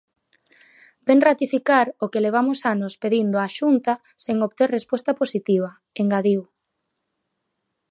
Vén ratificar o que levamos anos pedindo á Xunta sen obter resposta positiva, engadiu.